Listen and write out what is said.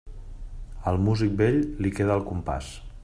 Al músic vell, li queda el compàs.